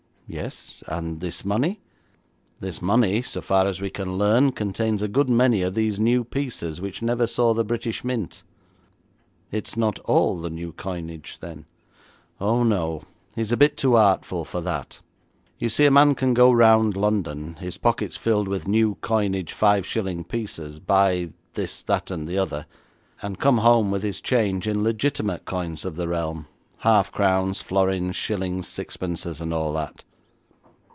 'Yes, and this money?' 'This money, so far as we can learn, contains a good many of these new pieces which never saw the British Mint.' 'It's not all the new coinage, then?' 'Oh, no, he's a bit too artful for that. You see, a man can go round London, his pockets filled with new coinage five shilling pieces, buy this, that, and the other, and come home with his change in legitimate coins of the realm half crowns, florins, shillings, sixpences, and all that.'